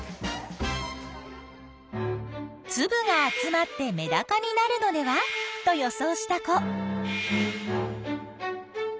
つぶが集まってメダカになるのではと予想した子。